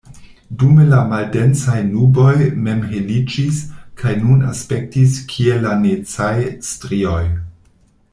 Dume la maldensaj nuboj mem heliĝis kaj nun aspektis kiel lanecaj strioj.